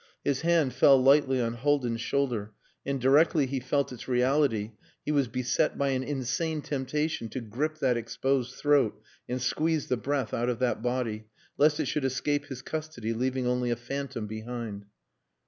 His hand fell lightly on Haldin's shoulder, and directly he felt its reality he was beset by an insane temptation to grip that exposed throat and squeeze the breath out of that body, lest it should escape his custody, leaving only a phantom behind.